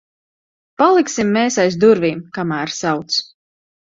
Paliksim mēs aiz durvīm, kamēr sauc.